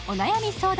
相談